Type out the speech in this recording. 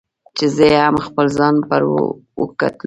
چې زه هم خپل ځان پر وکتلوم.